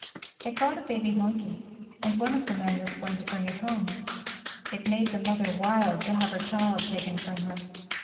They caught a baby monkey, and one of the men was going to bring it home. It made the mother wild to have her child taken from her.